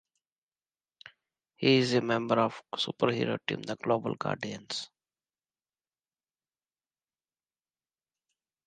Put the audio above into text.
He is a member of the superhero team, the Global Guardians.